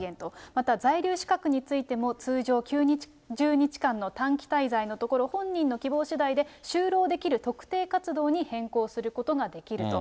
また在留資格についても、通常９０日間の短期滞在のところ、本人の希望しだいで、就労できる特定活動に変更することができると。